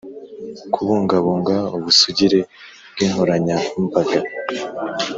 Kubungabunga ubusugire bw’ inkoranyambaga